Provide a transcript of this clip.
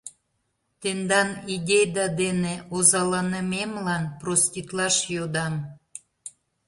Тендан идейда дене озаланымемлан проститлаш йодам.